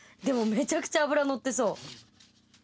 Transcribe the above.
めちゃくちゃ脂乗ってそう。